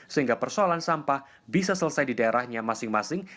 sehingga persoalan sampah bisa selesai di daerahnya masing masing